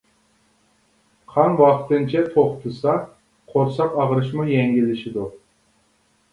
قان ۋاقتىنچە توختىسا، قورساق ئاغرىشىمۇ يەڭگىللىشىدۇ.